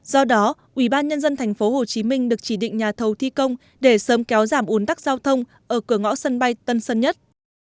do đó ủy ban nhân dân thành phố hồ chí minh được chỉ định nhà thầu thi công để sớm kéo giảm uốn tắc giao thông ở cửa ngõ sân bay tân sơn nhất